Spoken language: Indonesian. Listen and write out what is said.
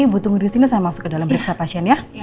ibu tunggu di sini saya masuk ke dalam periksa pasien ya